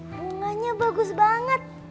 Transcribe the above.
bunganya bagus banget